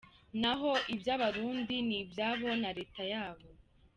Naho iby, Abarundi nibyabo na Leta yabo.